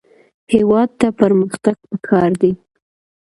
هېواد ته پرمختګ پکار دی